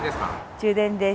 充電です。